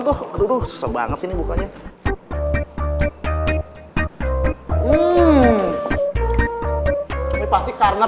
tuh aduh susah banget ini bukannya ini pasti karena pemberian dari coklat dari sisi ini